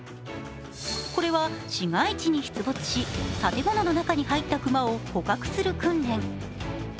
これは市街地に出没し、建物の中に入った熊を捕獲する訓練。